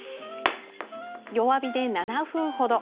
弱火で７分ほど。